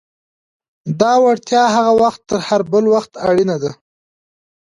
دا وړتیا هغه وخت تر هر بل وخت اړینه ده.